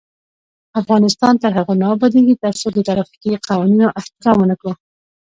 افغانستان تر هغو نه ابادیږي، ترڅو د ترافیکي قوانینو احترام ونکړو.